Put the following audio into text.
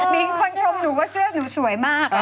มีคนชมหนูว่าเสื้อหนูสวยมาก